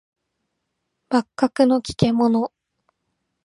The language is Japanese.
幕閣の利れ者